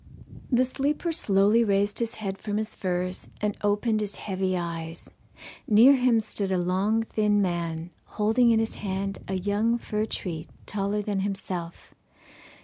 The sleeper slowly raised his head from his furs, and opened his heavy eyes. Near him stood a long thin man, holding in his hand a young fir tree taller than himself.